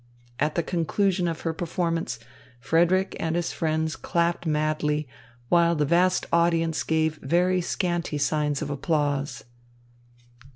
At the conclusion of her performance, Frederick and his friends clapped madly, while the vast audience gave very scanty signs of applause.